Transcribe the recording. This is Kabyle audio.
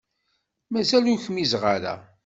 Mazal ur kmizeɣ ara.